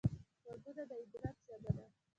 غوږونه د عبرت ژبه ده